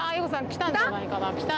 きたんじゃないかな？